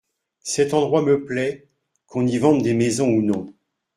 Cet endroit me plait, qu’on y vende des maisons ou non.